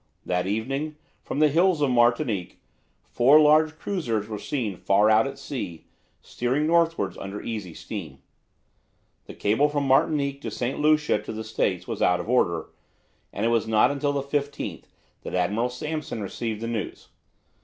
That evening, from the hills of Martinique, four large cruisers were seen far out at sea, steering northwards, under easy steam. The cable from Martinique by St. Lucia to the States was out of order, and it was not till the 15th that Admiral Sampson received the news.